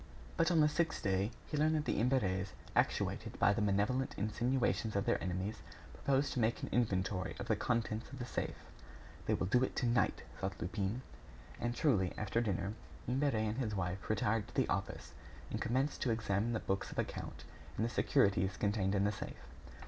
But on the sixth day, he learned that the Imberts, actuated by the malevolent insinuations of their enemies, proposed to make an inventory of the contents of the safe. "They will do it to night," thought Lupin. And truly, after dinner, Imbert and his wife retired to the office and commenced to examine the books of account and the securities contained in the safe.